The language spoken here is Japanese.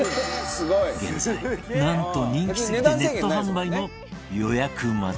現在なんと人気すぎてネット販売も予約待ち